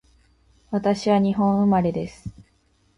私は日本生まれです